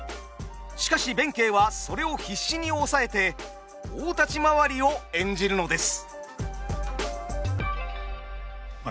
しかし弁慶はそれを必死に抑えて大立ち回りを演じるのです。